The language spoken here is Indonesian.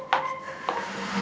kak drei big youri rambut berartu